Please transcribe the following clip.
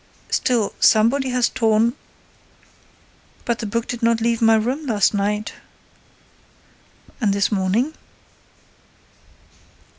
"Still, somebody has torn—" "But the book did not leave my room last night." "And this morning?"